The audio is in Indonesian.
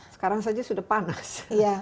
sekarang saja sudah panas